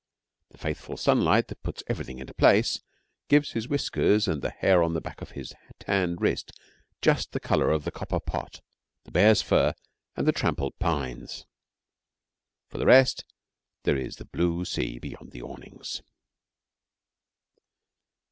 The faithful sunlight that puts everything into place, gives his whiskers and the hair on the back of his tanned wrist just the colour of the copper pot, the bear's fur and the trampled pines. For the rest, there is the blue sea beyond the awnings.